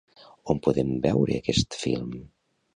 On podem veure aquest film?